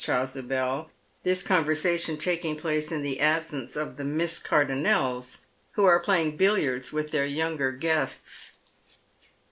Ohasubel, this conversation takins^ place in the absence of the Miss Cardonnels, who are playing billiards with their younger guests.